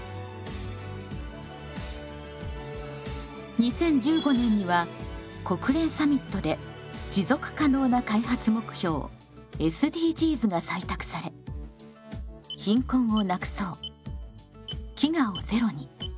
２０１５年には国連サミットで持続可能な開発目標ＳＤＧｓが採択され「貧困をなくそう」「飢餓をゼロに」